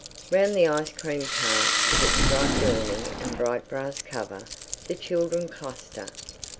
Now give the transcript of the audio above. Round the ice cream cart, with its striped awning and bright brass cover, the children cluster.